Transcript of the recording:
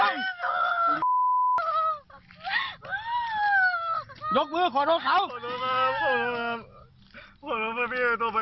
ยกมือขอโทษเขา